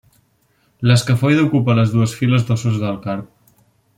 L'escafoide ocupa les dues files d'ossos del carp.